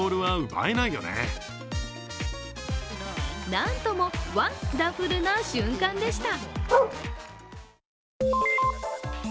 なんともワンダフルな瞬間でした。